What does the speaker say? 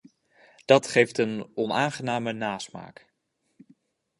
Dat geeft een onaangename nasmaak.